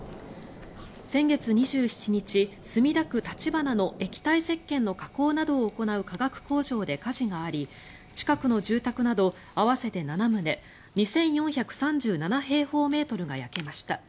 先月２７日、墨田区立花の液体せっけんの加工などを行う化学工場で火事があり近くの住宅など合わせて７棟２４３７平方メートルが焼けました。